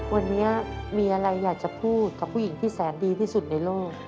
วันนี้มีอะไรอยากจะพูดกับผู้หญิงที่แสนดีที่สุดในโลก